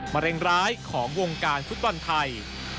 มะเร็งร้ายของวงการฟุตบอลไทย